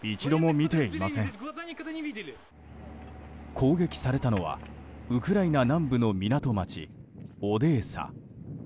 攻撃されたのはウクライナ南部の港町オデーサ。